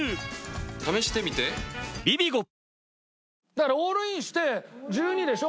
だからオールインして１２でしょ？